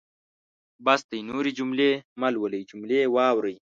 بس دی نورې جملې مهلولئ جملې واورئ.